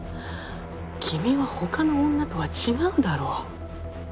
君は他の女とは違うだろ？